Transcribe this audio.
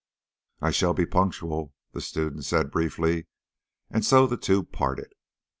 "I shall be punctual," the student said briefly; and so the two parted.